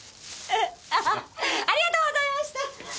アハハありがとうございました！